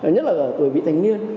nhất là tuổi bị thành niên